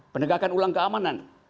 penegakan ulang keamanan